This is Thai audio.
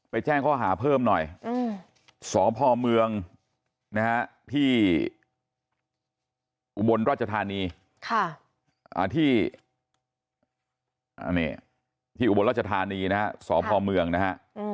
แจ้งข้อหาเพิ่มหน่อยสพเมืองนะฮะที่อุบลราชธานีที่อุบลรัชธานีนะฮะสพเมืองนะฮะ